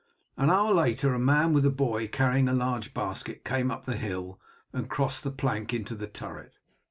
An hour later a man with a boy carrying a large basket came up the hill and crossed the plank into the turret.